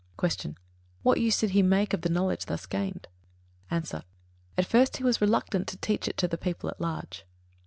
66. Q. What use did he make of the knowledge thus gained? A. At first he was reluctant to teach it to the people at large.